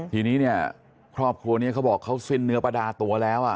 ทีนี้เนี่ยครอบครัวนี้เขาบอกเขาสิ้นเนื้อประดาตัวแล้ว